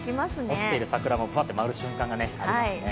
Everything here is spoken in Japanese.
落ちている桜もぶわっと舞う瞬間がありますね。